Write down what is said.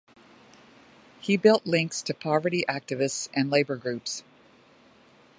He built links to poverty activists and labour groups.